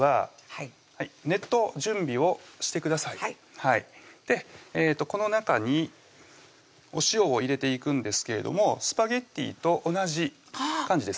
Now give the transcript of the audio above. はいこの中にお塩を入れていくんですけれどもスパゲッティと同じ感じですね